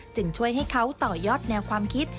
จึงช่วยให้เขาต่อยอดแนวความคิด